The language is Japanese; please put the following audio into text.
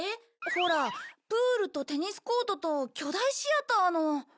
ほらプールとテニスコートと巨大シアターの。